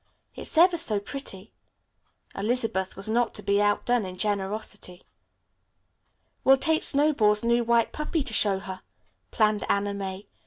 It's ever so pretty." Elizabeth was not to be outdone in generosity. "We'll take Snowball's new white puppy to show her," planned Anna May.